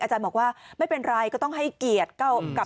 อาจารย์บอกว่าไม่เป็นไรก็ต้องให้เกียรติ